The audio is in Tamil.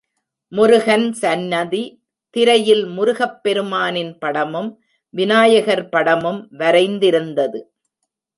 முருகன் சன்னதி, திரையில் முருகப்பெருமானின் படமும், விநாயகர் படமும் வரைந்திருந்தது.